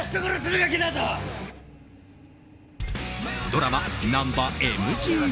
ドラマ「ナンバＭＧ５」。